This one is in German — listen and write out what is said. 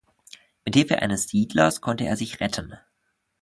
Mit Hilfe eines Siedlers konnte er sich retten.